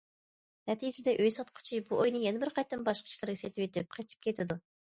نەتىجىدە ئۆي ساتقۇچى بۇ ئۆينى يەنە بىر قېتىم باشقا كىشىلەرگە سېتىۋېتىپ قېچىپ كېتىدۇ.